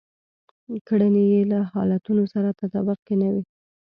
کړنې يې له حالتونو سره تطابق کې نه وي.